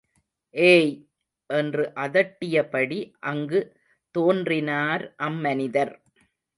ஏய்! என்று அதட்டியபடி அங்கு தோன்றினார் அம்மனிதர்.